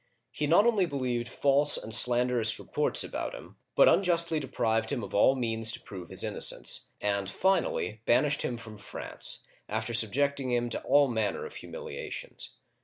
He not only believed false and slanderous reports about him, but unjustly deprived him of all means to prove his innocence, and finally banished him from France, after subjecting him to all manner of humiliations.